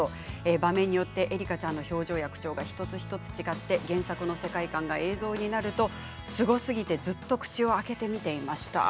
場面によって恵梨香さんの表情や口調が一つ一つ違って原作の世界観が映像になるとすごすぎてずっと口を開けて見ていました。